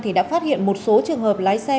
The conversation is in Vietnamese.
thì đã phát hiện một số trường hợp lái xe